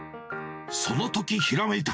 そのとき、ひらめいた。